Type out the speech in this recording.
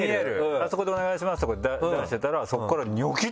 あそこで「お願いします」って出してたらそこから。